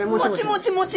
もちもち。